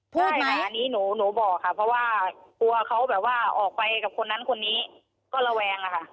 ใช่ค่ะอันนี้หนูบอกค่ะเพราะว่ากลัวเขาแบบว่าออกไปกับคนนั้นคนนี้ก็ระแวงอะค่ะ